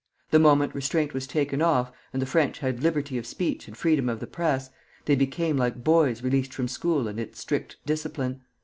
The moment restraint was taken off, and the French had liberty of speech and freedom of the Press, they became like boys released from school and its strict discipline.